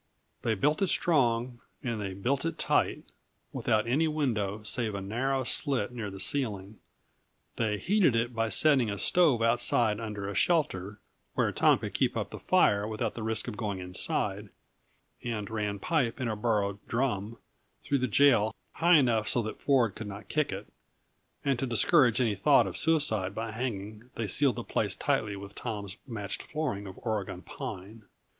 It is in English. They built it strong, and they built it tight, without any window save a narrow slit near the ceiling; they heated it by setting a stove outside under a shelter, where Tom could keep up the fire without the risk of going inside, and ran pipe and a borrowed "drum" through the jail high enough so that Ford could not kick it. And to discourage any thought of suicide by hanging, they ceiled the place tightly with Tom's matched flooring of Oregon pine.